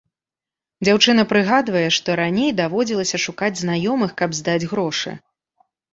Дзяўчына прыгадвае, што раней даводзілася шукаць знаёмых, каб здаць грошы.